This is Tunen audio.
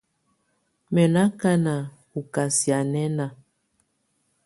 Mɛ́ nɔ́ ákáná ɔ kasianɛna.